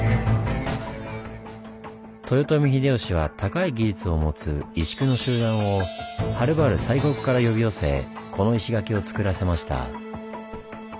豊臣秀吉は高い技術を持つ石工の集団をはるばる西国から呼び寄せこの石垣をつくらせました。